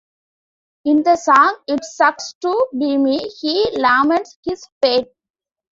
In the song "It Sucks to Be Me", he laments his fate.